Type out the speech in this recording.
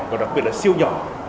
và đặc biệt là siêu nhỏ